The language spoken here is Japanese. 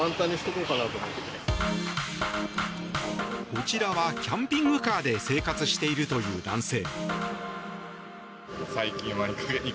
こちらは、キャンピングカーで生活しているという男性。